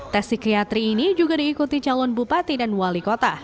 tes psikiatri ini juga diikuti calon bupati dan wali kota